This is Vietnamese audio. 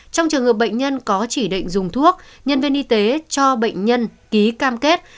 trong trường hợp bệnh nhân có chỉ định dùng thuốc nhân viên y tế cho bệnh nhân ký cam kết